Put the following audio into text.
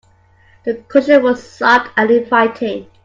The cushion was soft and inviting.